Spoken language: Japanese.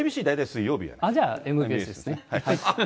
じゃあＭＢＳですね。